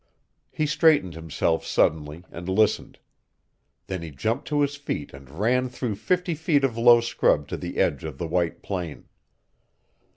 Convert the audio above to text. He straightened himself suddenly, and listened. Then he jumped to his feet and ran through fifty feet of low scrub to the edge of the white plain.